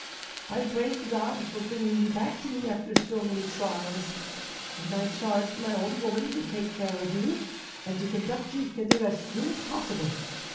I praised God for bringing you back to me after so many trials, and I charged my old woman to take care of you, and to conduct you hither as soon as possible.